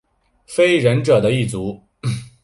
非人者的一族。